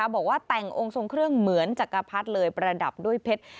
บอกว่าแต่งองค์ทรงเครื่องเหมือนจักรพรรดิเลยประดับด้วยเพชร